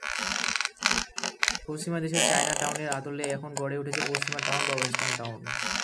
পশ্চিমা দেশের চায়না টাউনের আদলে এখানে গড়ে উঠেছে পশ্চিমা টাউন বা ওয়েস্টার্ন টাউন।